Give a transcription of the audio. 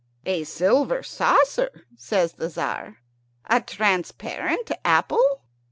"A silver saucer?" says the Tzar "a transparent apple?